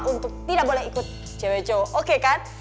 untuk tidak boleh ikut cewek cewek oke kan